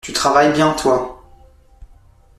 Tu travailles bien, toi !